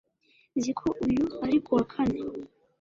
Nzi ko uyu ari kuwa kane